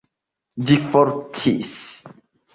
Ĝi forestis.